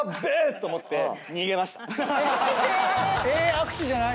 握手じゃないの？